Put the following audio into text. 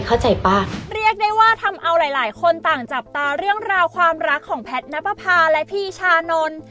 เข้าใจป่ะเรียกได้ว่าทำเอาหลายหลายคนต่างจับตาเรื่องราวความรักของแพทย์นับประพาและพี่ชานนท์